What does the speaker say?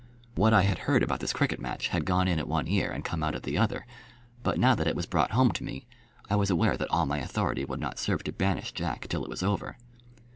What I had heard about this cricket match had gone in at one ear and come out at the other; but now that it was brought home to me, I was aware that all my authority would not serve to banish Jack till it was over.